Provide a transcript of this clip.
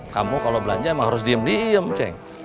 kamu kalau belanja emang harus diem diem ceng